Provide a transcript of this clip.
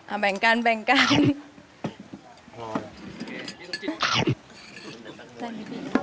แบ่งกันแบ่งกัน